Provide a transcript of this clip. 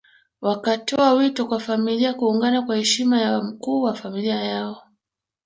Wakatoa wito kwa familia kuungana kwa heshima ya mkuu wa familia yao